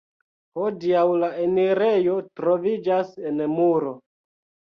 Hodiaŭ la enirejo troviĝas en muro.